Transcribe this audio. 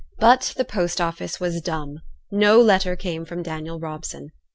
But the post office was dumb; no letter came from Daniel Robson.